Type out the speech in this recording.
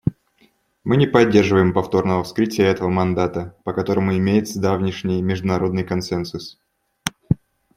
Мы не поддерживаем повторного вскрытия этого мандата, по которому имеется давнишний международный консенсус.